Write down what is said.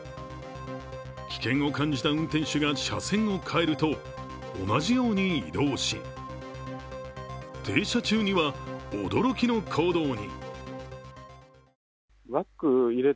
危険を感じた運転手が車線を変えると同じように移動し、停車中には驚きの行動に。